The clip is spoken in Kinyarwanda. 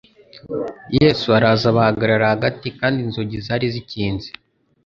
«Yesu araza abahagarara hagati kandi inzugi zari zikinze,